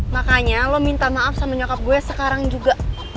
makanya lo minta maaf sama nyokap gue sekarang juga